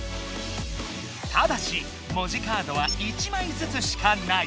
ただし「もじカード」は１まいずつしかない。